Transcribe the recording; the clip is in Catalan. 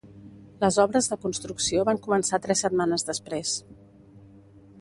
Les obres de construcció van començar tres setmanes després.